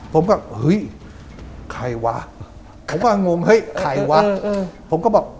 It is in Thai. ผมก็เฮ้ยใครวะผมก็งงเฮ้ยใครวะผมก็บอก